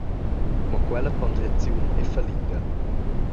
Mo quella ponderaziun ei fallida.